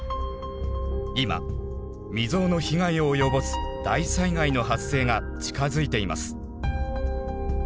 今未曾有の被害を及ぼす大災害の発生が近づいています。